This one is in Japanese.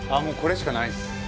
もうこれしかないです。